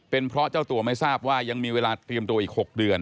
เป็นเพราะเจ้าตัวไม่ทราบว่ายังมีเวลาเตรียมตัวอีก๖เดือน